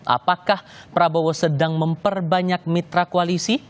apakah prabowo sedang memperbanyak mitra koalisi